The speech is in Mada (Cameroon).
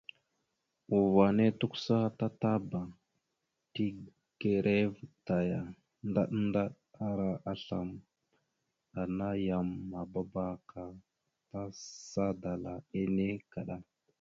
Uvah nehe tukəsa tatapa tigəreva taya ndaɗ ndaɗ ara aslam ana yam mabaɗaba ka tasa dala enne kaɗa.